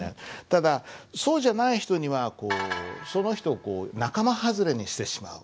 ただそうじゃない人にはこうその人を仲間外れにしてしまう。